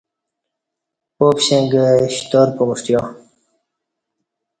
پاپشیں گہ شتار پُمݜٹیا